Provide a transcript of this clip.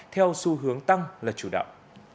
theo xu hướng tăng là chủ đạo